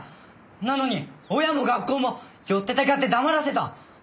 なのに親も学校もよってたかって黙らせた！